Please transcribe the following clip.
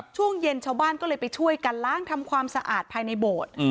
ช่วงเย็นชาวบ้านก็เลยไปช่วยกันล้างทำความสะอาดภายในโบสถ์